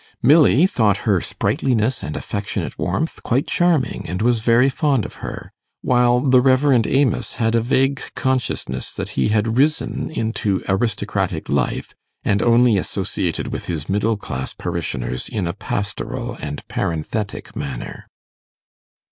Milly thought her sprightliness and affectionate warmth quite charming, and was very fond of her; while the Rev. Amos had a vague consciousness that he had risen into aristocratic life, and only associated with his middle class parishioners in a pastoral and parenthetic manner.